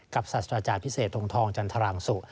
กับสัตว์อาจารย์พิเศษตรงทองจันทรังสุ